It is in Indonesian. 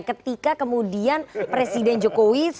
ketika kemudian presiden jokowi